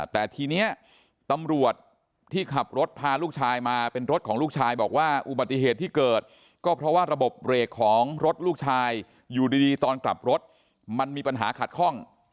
แต่ทีนี้ตำรวจที่ขับรถพาลูกชายมาเป็นรถของลูกชายบอกว่าอุบัติเหตุที่เกิดก็เพราะว่าระบบเบรกของรถลูกชายอยู่ดีตอนกลับรถมันมีปัญหาขัดข้อง